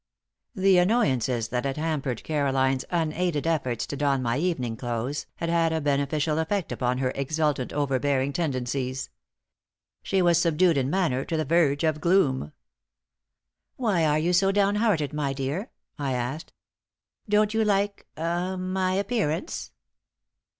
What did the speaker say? The annoyances that had hampered Caroline's unaided efforts to don my evening clothes had had a beneficial effect upon her exultant, overbearing tendencies. She was subdued in manner to the verge of gloom. "Why are you so downhearted, my dear?" I asked. "Don't you like ah my appearance?"